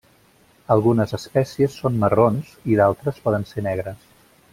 Algunes espècies són marrons, i d'altres poden ser negres.